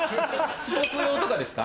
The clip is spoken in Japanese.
スポーツ用とかですか？